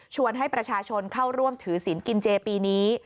ให้ประชาชนเข้าร่วมถือศีลกินเจปีนี้